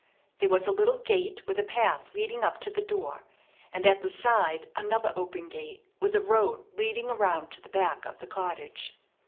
There was a little gate with a path leading up to the door, and at the side another open gate with a road leading around to the back of the cottage.